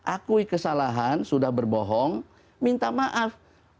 akui kesalahan sudah berbohong minta maaf